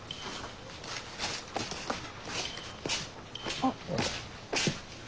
あっ。